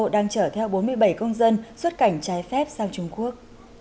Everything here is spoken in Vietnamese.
đang chở theo bốn mươi bảy công dân xuất cảnh trái phép sang trung quốc